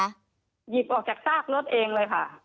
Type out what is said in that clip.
หยิบออกจากซากรถเองเลยค่ะ